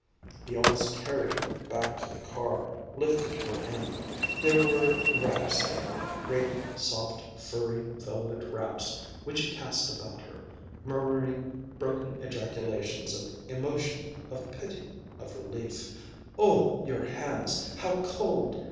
He almost carried her back to the car, lifted her in. There were wraps there, great soft, furry, velvet wraps which he cast about her, murmuring broken ejaculations of emotion, of pity, of relief "Oh, your hands, how cold!